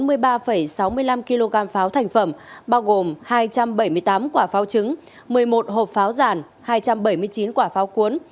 cơ quan công an thu giữ bốn mươi ba sáu mươi năm kg pháo thành phẩm bao gồm hai trăm bảy mươi tám quả pháo trứng một mươi một hộp pháo giản hai trăm bảy mươi chín quả pháo cuốn